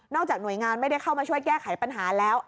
จากหน่วยงานไม่ได้เข้ามาช่วยแก้ไขปัญหาแล้ว